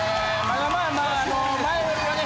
まだまあ前よりはね。